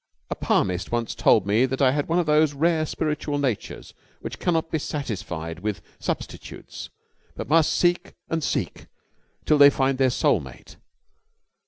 A palmist once told me that I had one of those rare spiritual natures which cannot be satisfied with substitutes but must seek and seek till they find their soul mate.